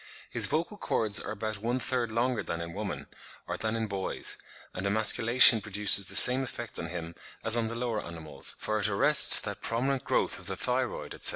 His vocal cords are about one third longer than in woman, or than in boys; and emasculation produces the same effect on him as on the lower animals, for it "arrests that prominent growth of the thyroid, etc.